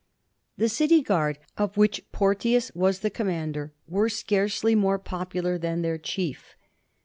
The city guard, of which Porteous was the commander, were scarcely more popular than their chief.